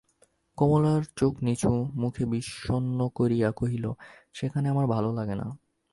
কমলা চোখ নিচু, মুখ বিষণ্ন করিয়া কহিল, সেখানে আমার ভালো লাগে না।